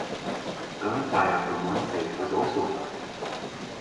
Gunfire from one side was also heard.